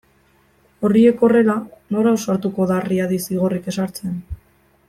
Horiek horrela, nor ausartuko da Riadi zigorrik ezartzen?